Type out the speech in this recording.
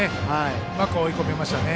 うまく追い込みましたね。